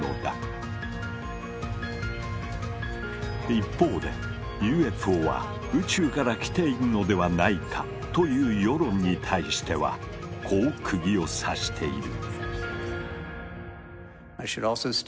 一方で「ＵＦＯは宇宙から来ているのではないか」という世論に対してはこうくぎを刺している。